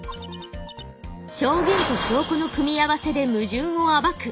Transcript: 証言と証拠の組み合わせでムジュンを暴く。